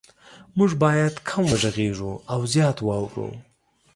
مونږ باید کم وغږیږو او زیات واورو